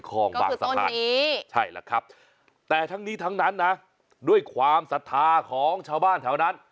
ก็คือต้นนี้ใช่แล้วครับแต่ทั้งนี้ทั้งนั้นนะด้วยความสัทธาของชาวบ้านแถวนั้น